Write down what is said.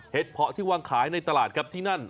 เพาะที่วางขายในตลาดครับที่นั่น